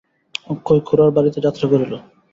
অক্ষয় খুড়ার বাড়িতে যাত্রা করিল।